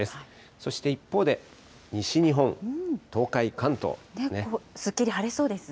そして一方で、西日本、東海、関すっきり晴れそうですね。